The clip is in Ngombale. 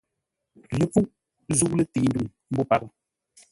Ləpfuʼ zə̂u lətəi ndwuŋ mbó paghʼə.